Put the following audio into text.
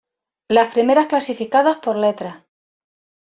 Las primeras clasificadas por letras.